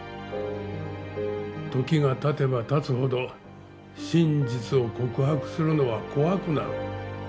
時がたてばたつほど真実を告白するのは怖くなる。